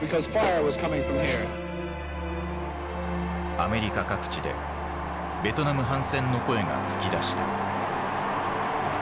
アメリカ各地でベトナム反戦の声が噴き出した。